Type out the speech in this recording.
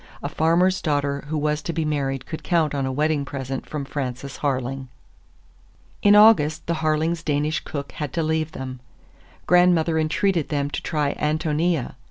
A farmer's daughter who was to be married could count on a wedding present from Frances Harling. In August the Harlings' Danish cook had to leave them. Grandmother entreated them to try Ántonia.